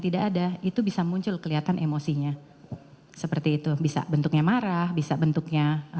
tidak ada itu bisa muncul kelihatan emosinya seperti itu bisa bentuknya marah bisa bentuknya